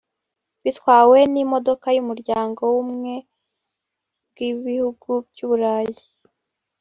batwawe n’imodoka y’umuryango w’Ubumwe bw’Ibihugu by’Uburayi